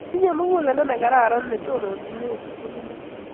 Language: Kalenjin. Tinye muguleldo ne kararan netononchin sukuli ni